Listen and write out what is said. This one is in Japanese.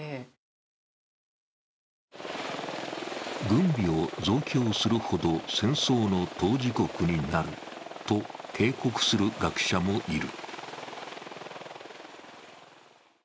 軍備を増強するほど戦争の当事国になると警告する学者もいる。